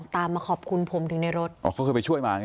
มาตามมาขอบคุณผมถึงในรถเขาเคยไปช่วยคุณฮะ